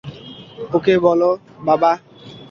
ওকে বলো, বাবা!